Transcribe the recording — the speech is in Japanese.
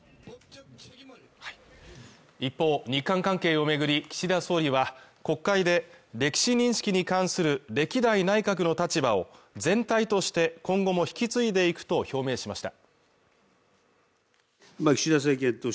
一方、日韓関係を巡り、岸田総理は国会で、歴史認識に関する歴代内閣の立場を全体として、今後も引き継いでいくと表明しました。